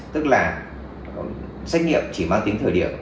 tức là xét nghiệm chỉ mang tính thời điểm